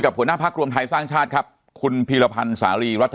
หัวหน้าพักรวมไทยสร้างชาติครับคุณพีรพันธ์สาลีรัฐ